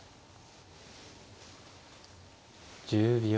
１０秒。